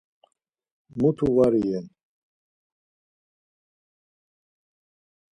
Muti var iyen.